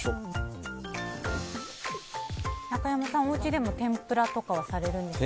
中山さん、おうちでも天ぷらとかはされるんですか。